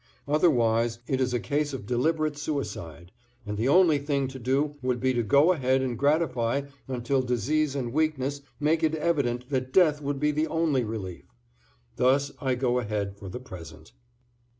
Otherwise it is a case of deliberate suicide, and the only thing to do would be to go ahead and gratify until disease and weakness made it evident that death would be the only relief. Thus I go ahead for the present.